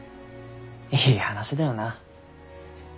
いい話だよな。